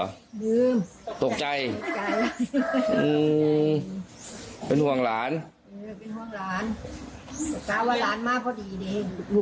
อืมตกใจตกใจอะไรเป็นห่วงหลานเป็นห่วงหลานตกใจว่าหลานมากเท่าที่เดียว